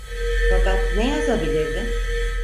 Fakat ne yazabilirdi?